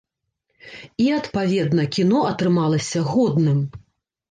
І, адпаведна, кіно атрымалася годным.